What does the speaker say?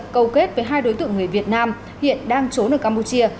cầu kết với hai đối tượng người việt nam hiện đang trốn ở campuchia